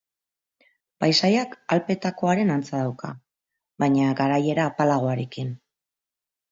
Paisaiak Alpeetakoaren antza dauka, baina garaiera apalagoarekin.